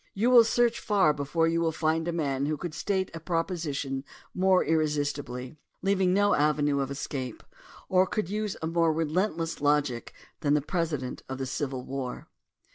You will search far before you will find a man who could state a proposition more irresistibly, leaving no avenue of escape, or who could use a more relentless logic than the President of the Civil War.